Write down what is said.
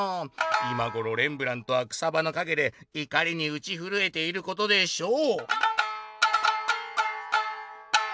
「今ごろレンブラントは草ばのかげでいかりにうちふるえていることでしょう」。